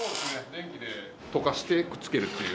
電気で溶かしてくっつけるっていうような。